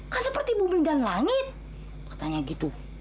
kan seperti bumi dan langit